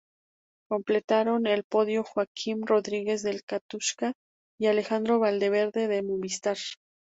Completaron el podio Joaquim Rodríguez del Katusha y Alejandro Valverde del Movistar.